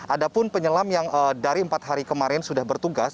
ada pun penyelam yang dari empat hari kemarin sudah bertugas